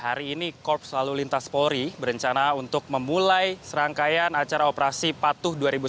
hari ini korps lalu lintas polri berencana untuk memulai serangkaian acara operasi patuh dua ribu sembilan belas